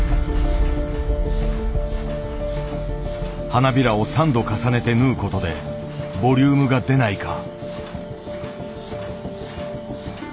花びらを３度重ねて縫う事でボリュームが出ないか。